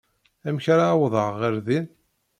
Amek ara awḍeɣ ɣer din?